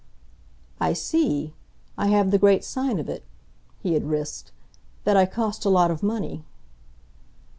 "I see. I have the great sign of it," he had risked "that I cost a lot of money."